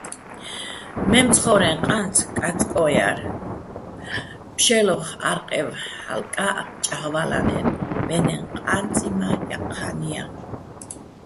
მემცხო́რეჼ ყანწ კაწკოჼ ჲარ, ფშე́ლოხ ა́რყევ ჰ̦ალკა́ჸ ჭაღვალანაჲნო, ვე́ნეჼ ყა́ნწი მა́ ჲაჴჴა́ნი ჲა.